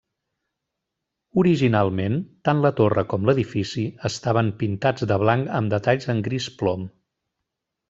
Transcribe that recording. Originalment, tant la torre com l'edifici estaven pintats de blanc amb detalls en gris plom.